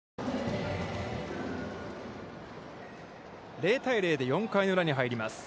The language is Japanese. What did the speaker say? ０対０で４回裏に入ります。